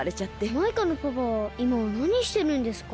マイカのパパはいまはなにしてるんですか？